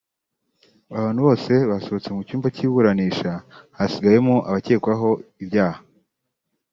Abantu bose basohotse mu cyumba cy’iburanisha hasigayemo abakekwaho ibyaha